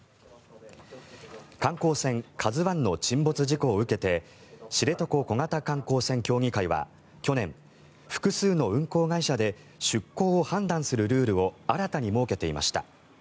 観光船「ＫＡＺＵ１」の沈没事故を受けて知床小型観光船協議会は去年複数の運航会社で出航を判断するルールを新たに設けていました。